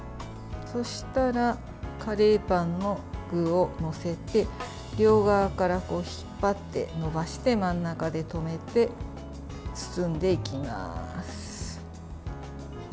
そうしたらカレーパンの具を載せて両側から引っ張って延ばして真ん中で留めて包んでいきます。